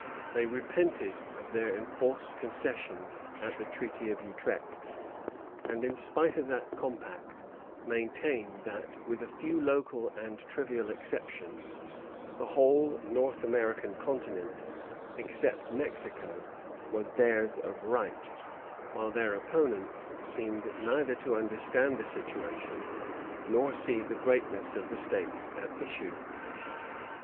They repented of their enforced concessions at the Treaty of Utrecht, and in spite of that compact, maintained that, with a few local and trivial exceptions, the whole North American continent, except Mexico, was theirs of right; while their opponents seemed neither to understand the situation, nor see the greatness of the stakes at issue.